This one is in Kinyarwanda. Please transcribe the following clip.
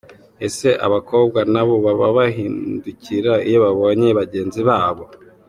Ese abakobwa nabo baba bahindukira iyo babonye bagenzi babo ?.